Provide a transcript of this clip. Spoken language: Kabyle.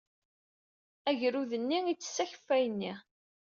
Agrud-nni ittess akeffay-nni.